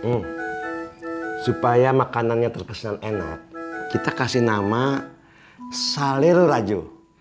hmm supaya makanannya terpesan enak kita kasih nama salir raju